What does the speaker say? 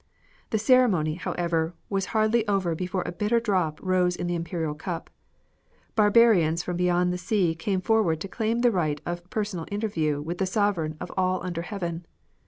The ceremony, however, was hardly over before a bitter drop rose in the Imperial cup. Barbarians from beyond the sea came forward to claim the right of personal interview with the sovereign of all under Heaven.